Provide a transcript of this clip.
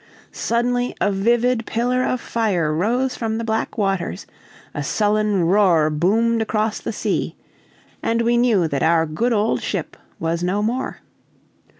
Suddenly a vivid pillar of fire rose from the black waters, a sullen roar boomed across the sea, and we knew that our good old ship was no more.